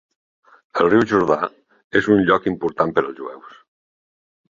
El riu Jordà és un lloc important per als jueus.